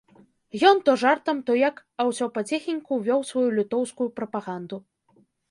Ён то жартам, то як, а ўсё паціхеньку вёў сваю літоўскую прапаганду.